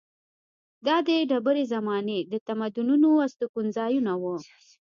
دا د ډبرې زمانې د تمدنونو استوګنځایونه وو.